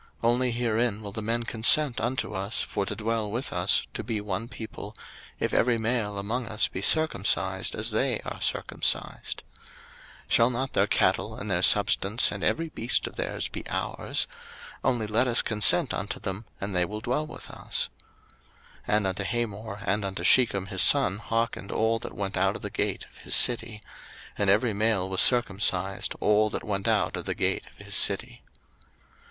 01:034:022 Only herein will the men consent unto us for to dwell with us, to be one people, if every male among us be circumcised, as they are circumcised. 01:034:023 Shall not their cattle and their substance and every beast of their's be our's? only let us consent unto them, and they will dwell with us. 01:034:024 And unto Hamor and unto Shechem his son hearkened all that went out of the gate of his city; and every male was circumcised, all that went out of the gate of his city.